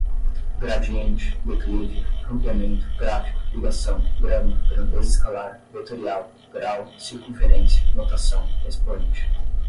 gradiente, declive, rampeamento, gráfico, ligação, grama, grandeza escalar, vetorial, grau, circunferência, notação, expoente